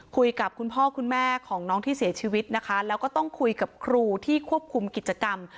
คุณพ่อคุณแม่ของน้องที่เสียชีวิตนะคะแล้วก็ต้องคุยกับครูที่ควบคุมกิจกรรม